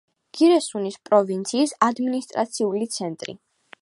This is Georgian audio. გირესუნის პროვინციის ადმინისტრაციული ცენტრი.